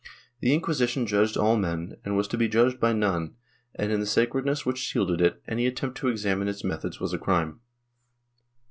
The Inquisition judged all men and was to be judged by none and, in the sacredness which shielded it, any attempt to examine its methods was a crime.